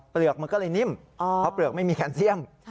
มันก็เลยนิ่มเพราะเปลือกไม่มีแคนเซียม